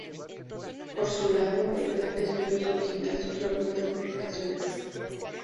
Por su lado, el Plan de Estudios original sufrió algunas modificaciones.